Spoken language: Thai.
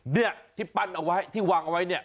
เนี่ยที่ปั้นเอาไว้ที่วางเอาไว้เนี่ย